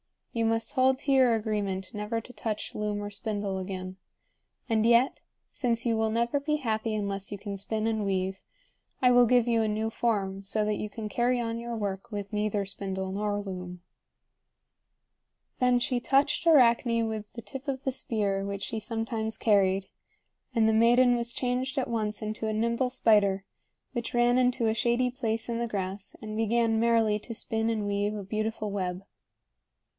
You must hold to your agreement never to touch loom or spindle again. And yet, since you will never be happy unless you can spin and weave, I will give you a new form so that you can carry on your work with neither spindle nor loom." Then she touched Arachne with the tip of the spear which she sometimes carried; and the maiden was changed at once into a nimble spider, which ran into a shady place in the grass and began merrily to spin and weave a beautiful web.